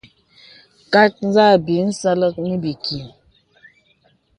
Nkàt zâ bi asɛlə̀ŋ nə̀ bìkì.